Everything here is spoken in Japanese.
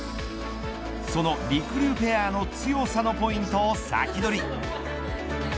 その、りくりゅうペアの強さのポイントをサキドリ。